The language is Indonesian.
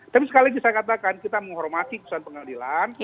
tapi sekali lagi saya katakan kita menghormati keputusan pengadilan